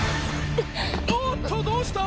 おっとどうした！？